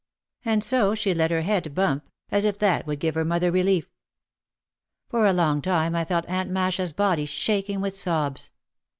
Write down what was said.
And so she let her head bump as if that would give her mother relief. For a long time I felt Aunt Masha's body shaking with sobs.